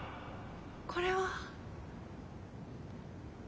これは。